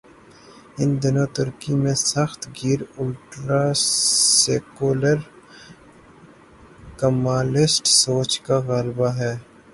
ان دنوں ترکی میں سخت گیر الٹرا سیکولر کمالسٹ سوچ کا غلبہ تھا۔